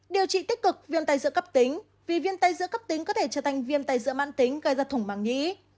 điều trị tích cực viêm tay giữa cấp tính vì viêm tay giữa cấp tính có thể trở thành viêm tay giữa man tính gây ra thủng màng nhĩ